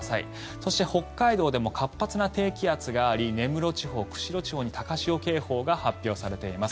そして北海道でも活発な低気圧があり根室地方、釧路地方に高潮警報が発表されています。